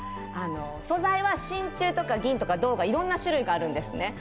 素材は真ちゅうとか銀とか銅とかいろんな種類があるんですね。